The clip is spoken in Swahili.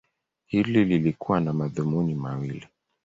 Hili lilikuwa na madhumuni mawili.